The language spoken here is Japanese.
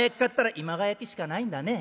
「今川焼きしかないんだね。